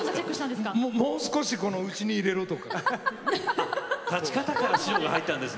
もう少し内に入れろと。